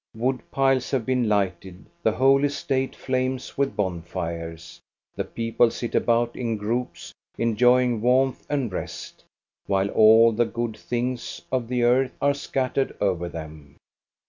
Woodpiles have been lighted; the whole estate flames with bonfires. The people sit about in groups, enjoying warmth and rest, while all the good things of the earth are scattered over them.